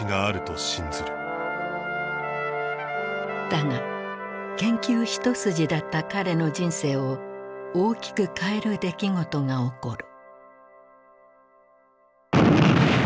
だが研究一筋だった彼の人生を大きく変える出来事が起こる。